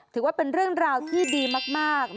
ถือว่าเป็นเรื่องราวที่ดีมาก